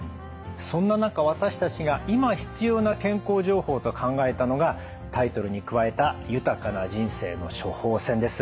そんな中私たちが今必要な健康情報と考えたのがタイトルに加えた「豊かな人生の処方せん」です。